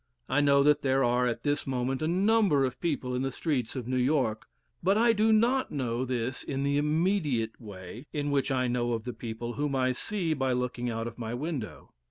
I know that there are at this moment a number of people in the streets of New York, but I do not know this in the immediate way in which I know of the people whom I see by looking out of my window.